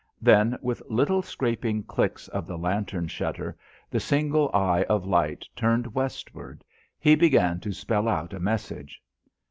Then with little scraping clicks of the lantern shutter, the single eye of light turned westward, he began to spell out a message.